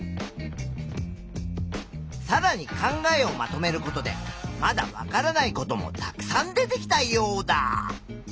さらに考えをまとめることでまだわからないこともたくさん出てきたヨウダ！